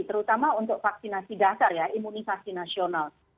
terutama untuk vaksinasi dasar ya imunisasi nasional